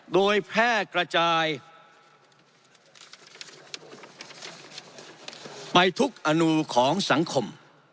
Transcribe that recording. โดยแพร่กระจายไปทุกอนุของสังคม